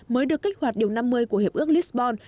mới được kích hoạt điều năm mươi của hiệp ước lisbon